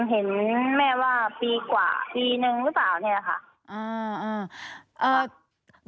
เห็นแม่ว่าปีกว่าปีนึงหรือเปล่าเนี่ยค่ะ